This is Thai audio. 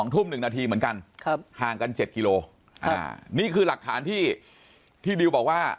ทุ่ม๑นาทีเหมือนกันห่างกัน๗กิโลนี่คือหลักฐานที่ดิวบอกว่า